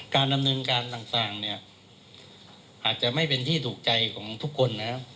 การดำเนินการต่างเนี่ยอาจจะไม่เป็นที่ถูกใจของทุกคนนะครับ